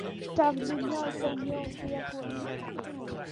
Darluniau doniol du-a-gwyn.